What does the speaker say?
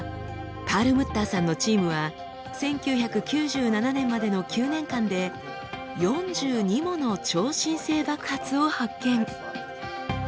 パールムッターさんのチームは１９９７年までの９年間で４２もの超新星爆発を発見。